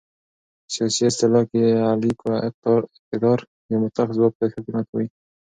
په سیاسي اصطلاح کې اعلی اقتدار یا مطلق ځواک ته حاکمیت وایې.